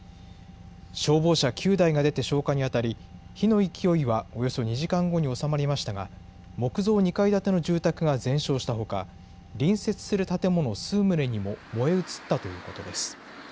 消防車９台が出て消火に当たり、火の勢いはおよそ２時間後に収まりましたが、木造２階建ての住宅が全焼したほか、隣接する建物数棟にも燃え移ったということです。